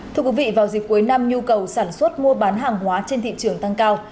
thưa quý vị vào dịp cuối năm nhu cầu sản xuất mua bán hàng hóa trên thị trường tăng cao